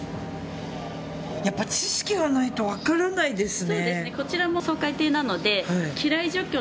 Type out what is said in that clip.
やっぱり知識がないと分からないですね。